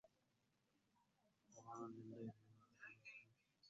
نظر الليث إلى عجل سمين